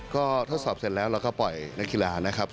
ก็ทดสอบเสร็จแล้วเราก็ปล่อยนักกีฬานะครับ